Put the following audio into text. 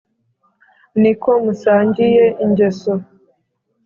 ni ko musangiye ingeso: